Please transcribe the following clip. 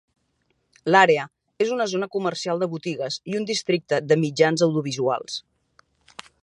L'àrea és una zona comercial de botigues i un districte de mitjans audiovisuals.